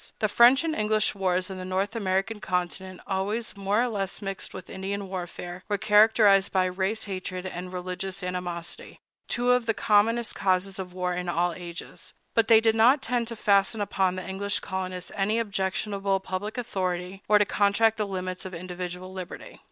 The French and English wars on the North American continent, always more or less mixed with Indian warfare, were characterized by race hatred and religious animosity—two of the commonest causes of war in all ages; but they did not tend to fasten upon the English colonists any objectionable public authority, or to contract the limits of individual liberty.